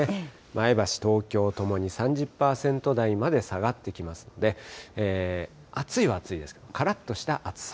前橋、東京ともに３０％台まで下がってきますので、暑いは暑いですが、からっとした暑さ。